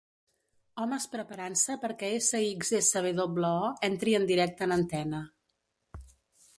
Homes preparant-se perquè SXSWO entri en directe en antena.